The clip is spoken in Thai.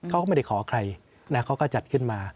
เขาก็ไม่ได้ขอใครนะเขาก็จัดขึ้นมา